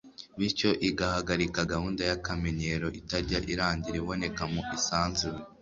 bityo igahagarika gahunda y’akamenyero itajya irangira iboneka mu isanzure